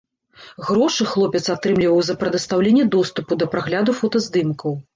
Грошы хлопец атрымліваў за прадастаўленне доступу да прагляду фотаздымкаў.